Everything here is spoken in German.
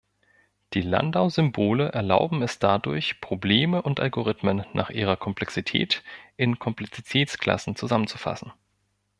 Die Landau-Symbole erlauben es dadurch, Probleme und Algorithmen nach ihrer Komplexität in Komplexitätsklassen zusammenzufassen.